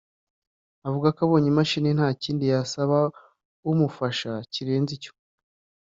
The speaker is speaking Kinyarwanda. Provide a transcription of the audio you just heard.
avuga ko abonye imashini nta kindi yasaba uwamufasha kirenze icyo